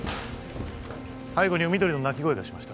背後に海鳥の鳴き声がしました